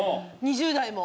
２０代も。